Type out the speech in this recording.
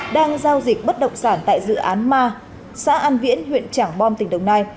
đang giao dịch bất động sản tại dự án ma xã an viễn huyện trảng bom tỉnh đồng nai